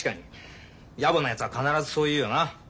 やぼなやつは必ずそう言うよな。